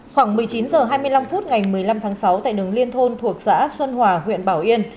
khoảng một mươi chín h hai mươi năm phút ngày một mươi năm tháng sáu tại đường liên thôn thuộc xã xuân hòa huyện bảo yên